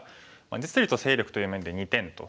実利と勢力という面で２点と。